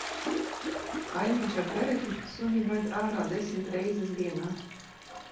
Kaimiņš ar bereti suni ved ārā desmit reizes dienā.